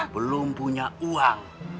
belum punya uang